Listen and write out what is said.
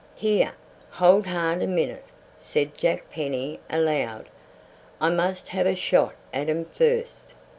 "Here, hold hard a minute!" said Jack Penny aloud; "I must have a shot at 'em first."